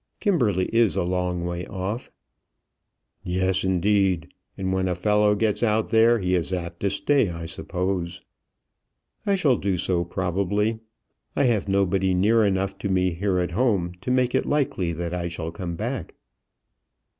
"Kimberley is a long way off." "Yes, indeed; and when a fellow gets out there he is apt to stay, I suppose." "I shall do so, probably. I have nobody near enough to me here at home to make it likely that I shall come back."